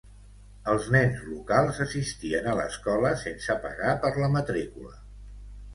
Els nens locals assistien a l'escola sense pagar per la matrícula.